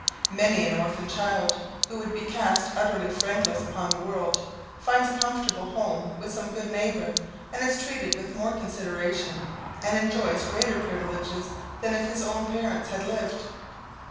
Many an orphan child, who would be cast utterly friendless upon the world, finds a comfortable home with some good neighbour, and is treated with more consideration, and enjoys greater privileges, than if his own parents had lived.